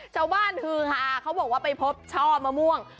ชาวบ้านเฮราไปพบช่อมะม่วง